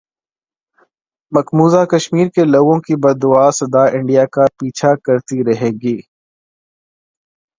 مقبوضہ کشمیر کے لوگوں کی بددعا سدا انڈیا کا پیچھا کرتی رہے گی